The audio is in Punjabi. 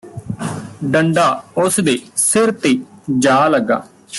ਡੰਡਾ ਉਸਦੇ ਸਿਰ ਤੇ ਜਾ ਲੱਗਾ